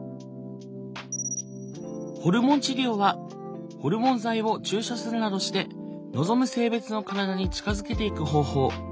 ホルモン治療はホルモン剤を注射するなどして望む性別の体に近づけていく方法。